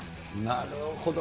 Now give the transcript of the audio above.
なるほど。